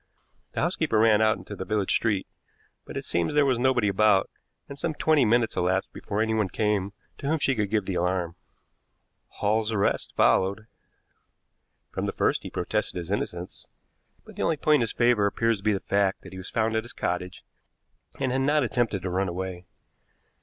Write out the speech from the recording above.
The housekeeper ran out into the village street, but it seems there was nobody about, and some twenty minutes elapsed before anyone came to whom she could give the alarm. "Hall's arrest followed. From the first he protested his innocence, but the only point in his favor appears to be the fact that he was found at his cottage, and had not attempted to run away.